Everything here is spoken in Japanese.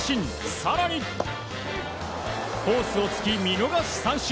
更にコースを突き見逃し三振。